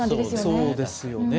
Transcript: そうですよね。